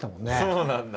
そうなんだ。